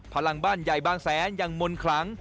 พลังบ้านใหญ่บางแสนยังมนต์คลัง